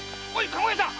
駕籠屋さん！